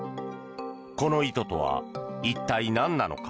この意図とは一体、何なのか。